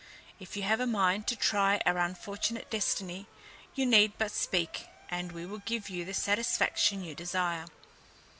If you have a mind to try our unfortunate destiny, you need but speak, and we will give you the satisfaction you desire."